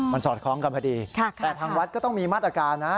มันสอดคล้องกันพอดีแต่ทางวัดก็ต้องมีมาตรการนะ